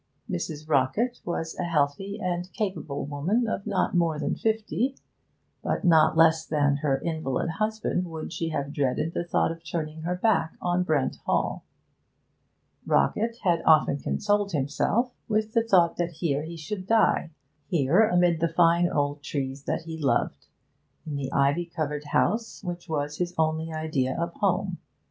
Mrs. Rockett was a healthy and capable woman of not more than fifty, but no less than her invalid husband would she have dreaded the thought of turning her back on Brent Hall. Rockett had often consoled himself with the thought that here he should die, here amid the fine old trees that he loved, in the ivy covered house which was his only idea of home.